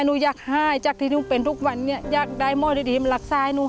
นูอยากไห้จากที่นูเป็นทุกวันเนี้ยอยากได้มอดิทีมหลักซ้ายนู